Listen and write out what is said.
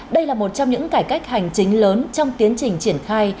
đây là một trong những cải cách hành chính lớn trong tiến trình triển khai